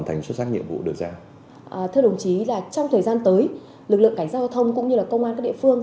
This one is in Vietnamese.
thưa đồng chí là trong thời gian tới lực lượng cảnh giao thông cũng như là công an các địa phương